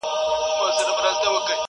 يوازي پاته کيږي